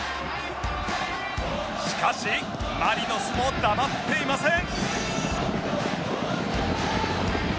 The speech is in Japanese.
しかしマリノスも黙っていません！